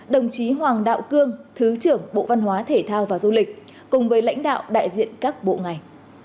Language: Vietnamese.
đồng chí hoàng đạo cương thứ trưởng bộ văn hóa thể thao và du lịch cùng với lãnh đạo đại diện các bộ ngành